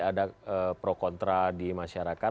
ada pro kontra di masyarakat